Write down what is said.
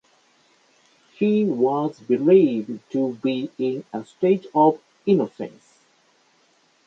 He was believed to be in a state of innocence.